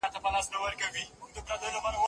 دا نمونه ښایسته ده.